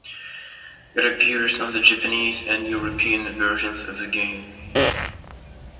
It appears on the Japanese and European versions of the game.